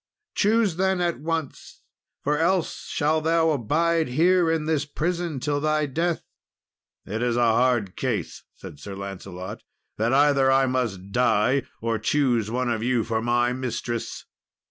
Choose, then, at once, for else shall thou abide here, in this prison, till thy death." "It is a hard case," said Sir Lancelot, "that either I must die, or choose one of you for my mistress!